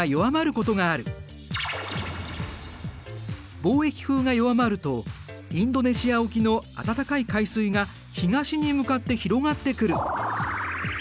貿易風が弱まるとインドネシア沖の温かい海水が東に向かって広がってくる。